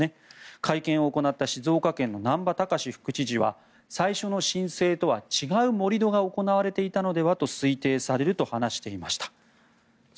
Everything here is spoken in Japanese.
会見を行った静岡県の難波喬司副知事は最初の申請とは違う盛り土が行われていたのではと推定されると話していました。